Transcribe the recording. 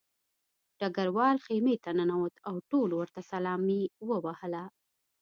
ډګروال خیمې ته ننوت او ټولو ورته سلامي ووهله